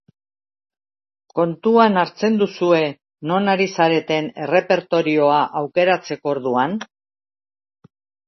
Kontuan hartzen duzue non ari zareten errepertorioa aukeratzeko orduan?